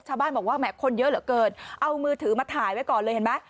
ชาวบ้านบอกว่าแหมคนเยอะเหลือเกินเอามือถือมาถ่ายไว้ก่อนเลยเห็นไหม